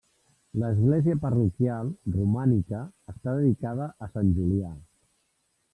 L'església parroquial, romànica, està dedicada a Sant Julià.